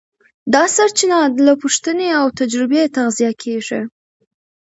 دا سرچینه له پوښتنې او تجربې تغذیه کېږي.